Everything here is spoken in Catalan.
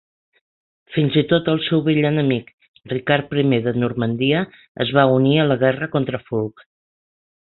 Fins i tot el seu vell enemic, Ricard I de Normandia es va unir a la guerra contra Fulk.